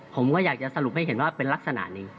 ผมก็อยากจะสรุปให้เห็นว่าเป็นลักษณะนี้